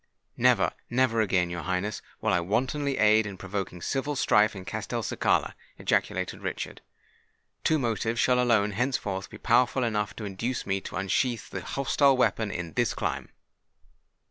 "Never—never again, your Highness, will I wantonly aid in provoking civil strife in Castelcicala!" ejaculated Richard. "Two motives shall alone henceforth be powerful enough to induce me to unsheath the hostile weapon in this clime."